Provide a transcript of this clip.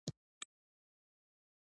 که د پومپیو مطلب مخکنی دوه سری حکومت وي.